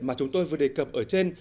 mà chúng tôi vừa đề cập ở trên